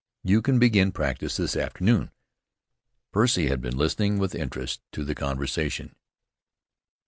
You can begin practice this afternoon." Percy had been listening with interest to the conversation.